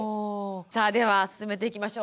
さあでは進めていきましょう。